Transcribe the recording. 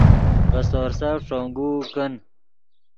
ڤے سورسف ݯونگوؤ کن